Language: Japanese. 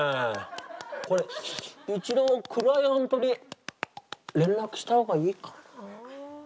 これうちのクライアントに連絡した方がいいかなあ。